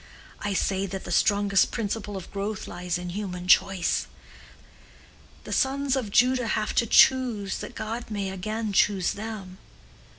I say that the strongest principle of growth lies in human choice. The sons of Judah have to choose that God may again choose them.